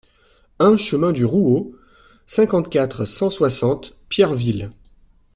un chemin du Rouau, cinquante-quatre, cent soixante, Pierreville